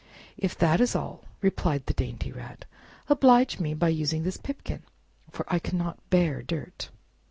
"If that is all," replied the dainty Rat, "oblige me by using this pipkin, for I cannot bear dirt!"